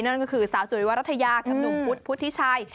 นั่นก็คือสาวจุ๋ยวรัฐยากับหนุ่มพุธพุทธิชัย